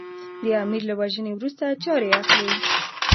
د امیر له وژنې وروسته چارې اخلي.